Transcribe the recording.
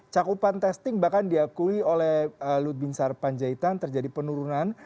cakupan testing bahkan diakui oleh ludwin sarpanjaitan terjadi penurunan